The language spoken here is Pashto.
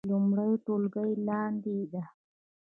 لومړۍ ټولګی لاندې ده